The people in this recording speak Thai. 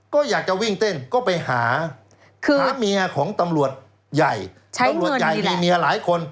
ก็อยากจะวิ่งเต้นก็ไปหาหาเมียของตำรวจใหญ่ตำรวจใหญ่มีเมียหลายคน